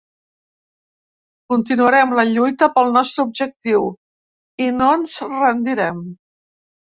Continuarem la lluita pel nostre objectiu i no ens rendirem.